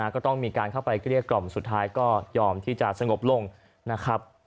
ก็ต้องมีการเข้าไปเกลี้ยกล่อมสุดท้ายก็ยอมที่จะสงบลงนะครับ